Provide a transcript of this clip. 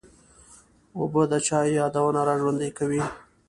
اوبه د چا یادونه را ژوندي کوي.